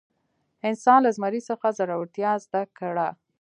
انسان له زمري څخه زړورتیا زده کړه.